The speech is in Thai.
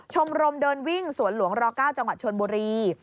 ชมรมเดินวิ่งสวนหลวงร๙จังหวัดชนบุรี